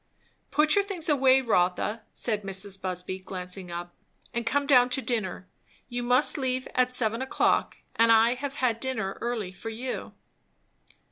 "Put your things away, Rotha," said Mrs. Busby glancing up, "and come down to dinner. You must leave at seven o'clock, and I have had dinner early for you."